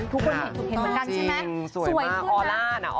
ทุกคนเห็นมากันใช่ไหม